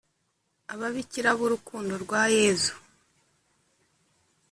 ababikira b urukundo rwa yezu